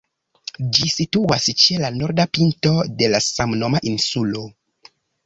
Ĝi situas ĉe la norda pinto de la samnoma insulo.